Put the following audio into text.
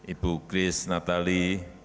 ibu kris natali